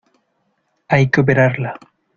hay que operarla.